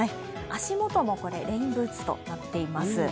足元もレインブーツとなっています。